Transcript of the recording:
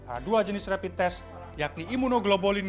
ada dua jenis rapid test yakni imunoglobulin g dan m